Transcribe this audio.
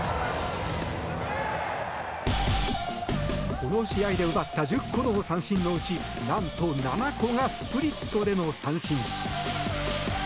この試合で奪った１０個の三振のうち、何と７個がスプリットでの三振。